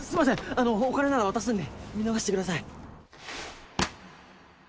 あのうお金なら渡すんで見逃してください。